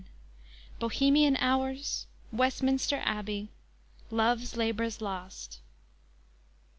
BOHEMIAN HOURS. WESTMINSTER ABBEY. "LOVE'S LABOR'S LOST."